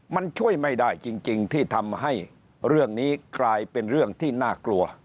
มันช่วยไม่ได้จริงที่ทำให้เรื่องนี้กลายเป็นเรื่องที่น่ากลัว